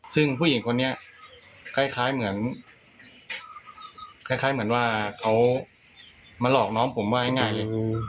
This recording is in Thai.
ซึ่งผู้หญิงคนนี้คล้ายเหมือนคล้ายเหมือนว่าเขามาหลอกน้องผมว่าง่ายเลย